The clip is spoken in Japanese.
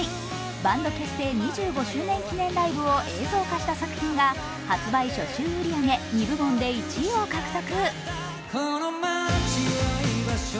バンド結成２５周年記念ライブを映像化した作品が発売初週売り上げ、２部門で１位を獲得。